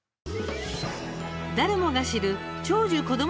誰もが知る長寿子ども